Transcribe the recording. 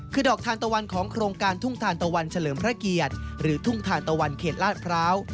คือดอกทานตะวันของโครงการทุ่งทานตะวันเฉลิมพระเกียรติหรือทุ่งทานตะวันเขตลาดพร้าว